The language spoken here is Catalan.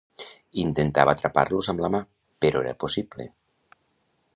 Intentava atrapar-los amb la mà, però era possible.